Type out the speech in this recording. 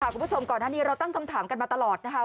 คุณผู้ชมก่อนหน้านี้เราตั้งคำถามกันมาตลอดนะคะ